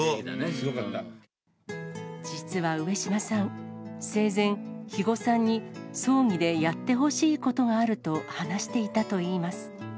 実は上島さん、生前、肥後さんに葬儀でやってほしいことがあると話していたといいます。